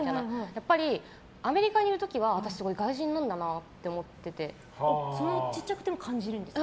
やっぱりアメリカにいる時は私、外国人なんだなってちっちゃくても感じるんですか？